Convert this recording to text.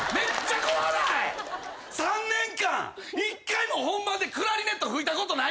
３年間一回も本番でクラリネット吹いたことないねんて！